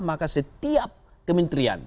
maka setiap kementerian